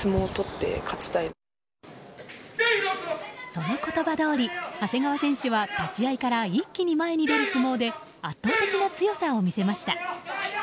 その言葉どおり長谷川選手は立ち合いから一気に前に出る相撲で圧倒的な強さを見せました。